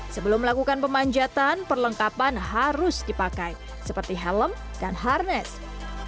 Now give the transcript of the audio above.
sebelum melakukan pemanjatan perlengkapan harus dipakai seperti helm dan harness